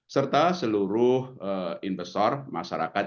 serta seluruh investor masyarakat